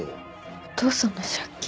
お父さんの借金。